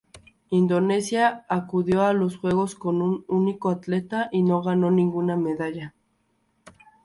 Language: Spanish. Indonesia acudió a los juegos con un único atleta, y no ganó ninguna medalla.